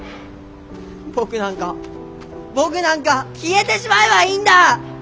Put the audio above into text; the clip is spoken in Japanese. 僕なんか僕なんか消えてしまえばいいんだ！